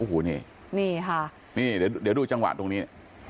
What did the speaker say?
โอ้โหนี่นี่ค่ะนี่เดี๋ยวดูจังหวะตรงนี้